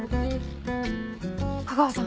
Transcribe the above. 架川さん